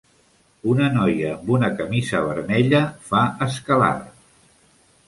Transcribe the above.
Un noia amb una camisa vermella fa escalada.